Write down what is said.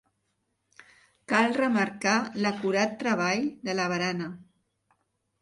Cal remarcar l'acurat treball de la barana.